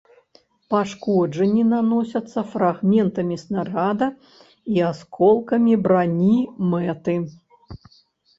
Пашкоджанні наносяцца фрагментамі снарада і асколкамі брані мэты.